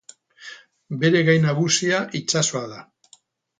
Bere gai nagusia itsasoa da.